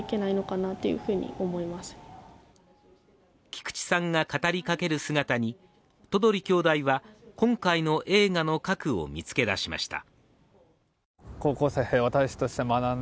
菊池さんが語りかける姿に都鳥兄弟は今回の映画の核を見つけ出しました。